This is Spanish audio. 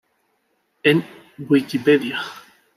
En Wikipedia.